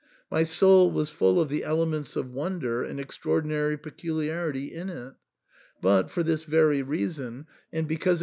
My soul was full of the elements of wonder and extraordinary pecu liarity in it ; but, for this very reason, and because it THE SAND'AfAT